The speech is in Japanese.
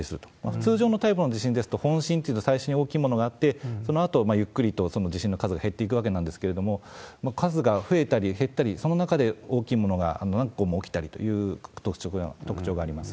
通常のタイプの地震ですと、本震っていって、最初に大きいものがあって、そのあとゆっくりとその地震の数が減っていくわけなんですけれども、数が増えたり減ったり、その中で大きいものが何個も起きたりという特徴があります。